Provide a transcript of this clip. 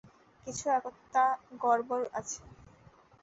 কিছু একতা গড়বড় আছে!